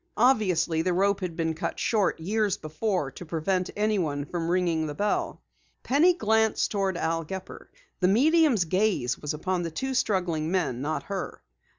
Obviously the rope had been cut short years before to prevent anyone from ringing the bell. Penny glanced toward Al Gepper. The medium's gaze was upon the two struggling men, not her.